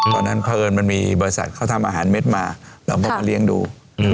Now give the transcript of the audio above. เพราะฉะนั้นเอิ้นมีบริษัทเขาทำอาหารเม็ดมาเราก็มาเลี้ยงที่สุด